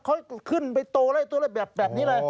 เขาขึ้นไปโตแล้วตัวเลขแบบนี้เลย